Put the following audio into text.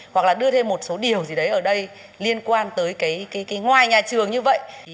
hoặc là đưa thêm một số điều gì đấy ở đây liên quan tới cái ngoài nhà trường như vậy